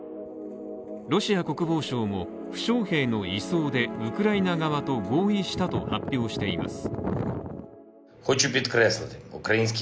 ロシア国防省も、負傷兵の移送で、ウクライナ側と合意したと発表しています。